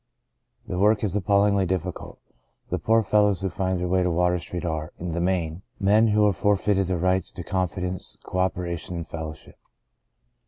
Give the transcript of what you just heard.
The work is appallingly difficult. The poor fellows who find their way to Water Street are, in the main, men who have for feited their rights to confidence, coopera tion and fellowship.